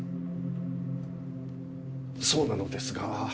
そうなのですが。